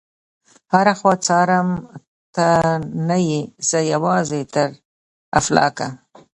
هره خوا څارم ته نه يې، زه یوازي تر افلاکه